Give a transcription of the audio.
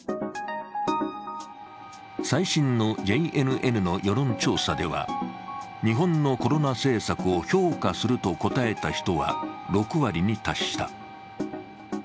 最新のＪＮＮの世論調査では、日本のコロナ政策を評価すると答えた人は６割に達した。